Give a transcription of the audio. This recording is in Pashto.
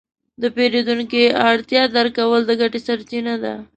د پیرودونکي اړتیا درک کول د ګټې سرچینه ده.